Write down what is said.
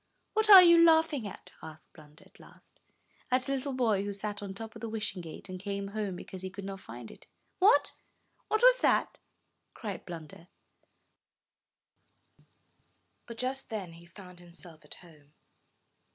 'What are you laughing at?'' asked Blunder, at last. At a little boy who sat on the top of the Wishing Gate, and came home because he could not find it." ''What? what's that?" cried Blunder; but just then he found himself at home.